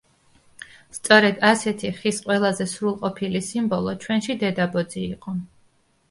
სწორედ ასეთი ხის ყველაზე სრულყოფილი სიმბოლო ჩვენში დედაბოძი იყო.